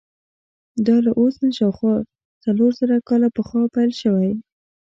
دا له اوس نه شاوخوا څلور زره کاله پخوا پیل شوی.